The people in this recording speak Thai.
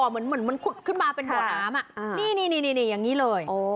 เหมือนเหมือนมันขึ้นมาเป็นบ่อน้ำอ่ะนี่นี่นี่นี่อย่างงี้เลยโอ้